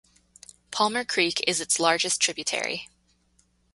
Palmer Creek is its largest tributary.